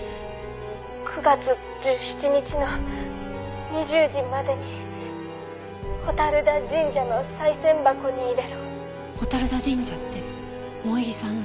「９月１７日の２０時までに蛍田神社の賽銭箱に入れろ」蛍田神社って萌衣さんの。